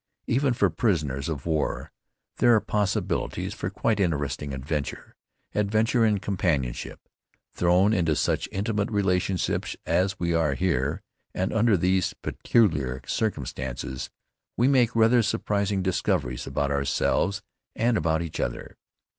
Even for prisoners of war there are possibilities for quite interesting adventure, adventure in companionship. Thrown into such intimate relationships as we are here, and under these peculiar circumstances, we make rather surprising discoveries about ourselves and about each other.